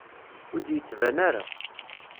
Ur d-yettban ara.